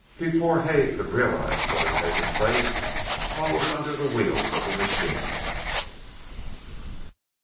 Before Hay could realize what had taken place Paul was under the wheels of the machine.